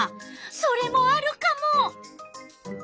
それもあるカモ。